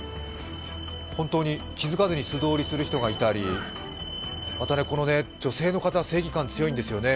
本当に気づかずに素通りする人がいたり、また、この女性の方、正義感、強いんですよね。